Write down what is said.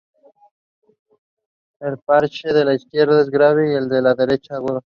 El parche de la izquierda es grave y el de la derecha agudo.